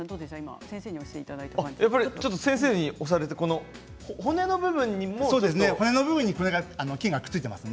先生に押されて骨の部分にも。骨の部分にも筋がくっついています。